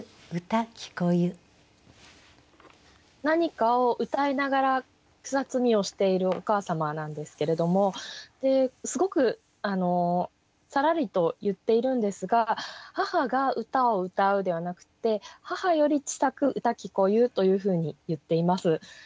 何かを歌いながら草摘をしているお母様なんですけれども。ですごくさらりと言っているんですが母が歌を歌うではなくって「母より小さく歌聞こゆ」というふうに言っています。